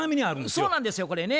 そうなんですよこれね。